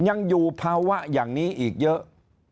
ยังอยู่ภาวะอย่างนี้อีกเยอะ